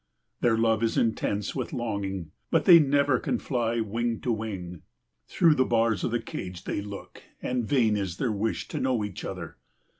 Their love is intense with longing, but they never can fly wing to wing. Through the bars of the cage they look, and vain is their wish to know each other.